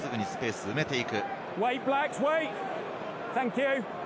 すぐにスペースを埋めていく。